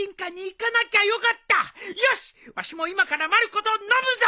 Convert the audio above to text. よしわしも今からまる子と飲むぞ！